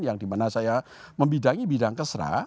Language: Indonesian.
yang dimana saya membidangi bidang kesra